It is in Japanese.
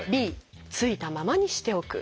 「Ｂ付いたままにしておく」。